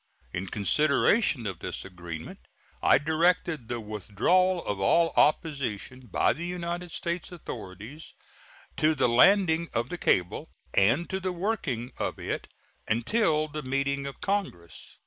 In consideration of this agreement I directed the withdrawal of all opposition by the United States authorities to the landing of the cable and to the working of it until the meeting of Congress.